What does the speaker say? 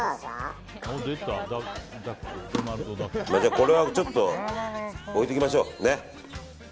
これはちょっと置いておきましょう。